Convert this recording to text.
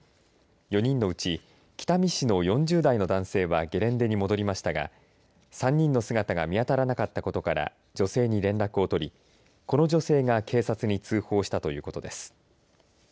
４人のうち、北見市の４０代の男性はゲレンデに戻りましたが３人の姿が見当たらなかったことから女性に連絡を取りこの女性が警察に通報したということです。